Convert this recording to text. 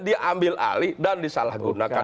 diambil alih dan disalahgunakan